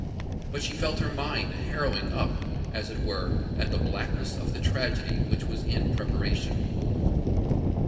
But she felt her mind harrowing up, as it were, at the blackness of the tragedy which was in preparation.